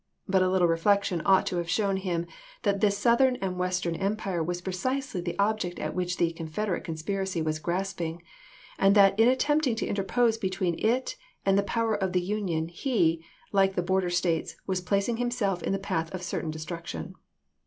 But a little reflection ought to have shown him that this Southern and Western empire was precisely the object at which the "Confederate" conspiracy was grasping, and that in attempting to interpose between it and the power of the Union he, like the border States, was placing himself in the path of certain destruction.